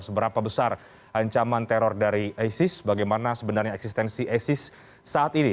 seberapa besar ancaman teror dari isis bagaimana sebenarnya eksistensi isis saat ini